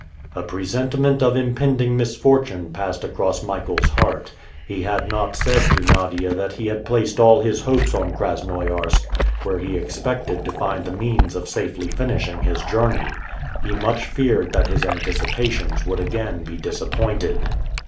A presentiment of impending misfortune passed across Michael's heart. He had not said to Nadia that he had placed all his hopes on Krasnoiarsk, where he expected to find the means of safely finishing his journey. He much feared that his anticipations would again be disappointed.